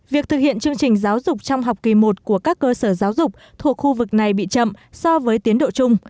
việc thực hiện chương trình giáo dục trong học kỳ một của các cơ sở giáo dục thuộc khu vực này bị chậm so với tiến độ chung